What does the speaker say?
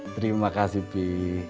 terima kasih pi